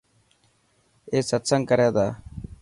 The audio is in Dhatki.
اي ستسنگ ڪري تا.